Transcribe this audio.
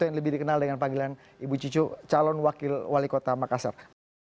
yang lebih dikenal dengan panggilan ibu cicu calon wakil wali kota makassar